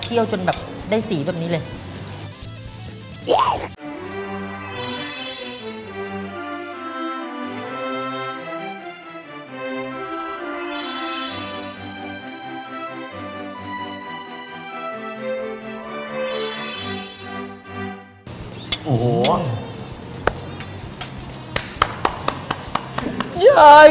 จนแบบได้สีแบบนี้เลย